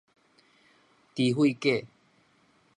豬血粿